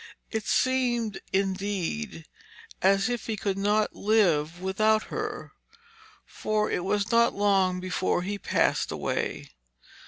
It seemed, indeed, as if he could not live without her, for it was not long before he passed away.